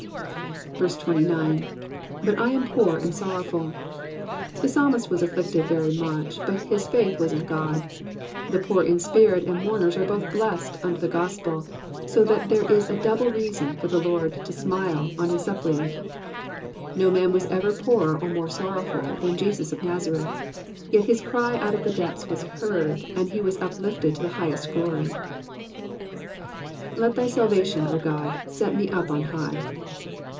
29. ^^But I am poor and BorrowfuV^ The psalmist was afflicted very much, but his faith was in God. The poor in spirit and mourners are both blessed under the gospel, so that here is a double reason for the Lord to smile on his suppliant. No man was ever poorer or more sorrowful than Jesus of Nazareth, yet his cry out of the depths was heard, and he was uplifted to the highest glory. ^^Let thy salvation, 0 God, set me up on hiffh."